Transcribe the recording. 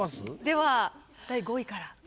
では第５位から。